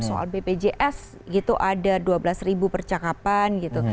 soal bpjs gitu ada dua belas ribu percakapan gitu